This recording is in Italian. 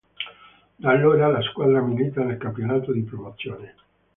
Da allora la squadra milita nel campionato di promozione.